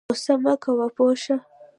غوسه مه کوه پوه شه